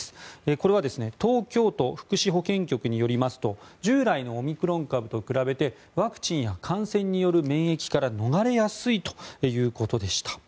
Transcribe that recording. これは東京都福祉保健局によりますと従来のオミクロン株と比べてワクチンや感染による免疫から逃れやすいということでした。